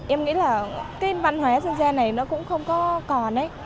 em nghĩ là cái văn hóa dân ghen này nó cũng không có còn ấy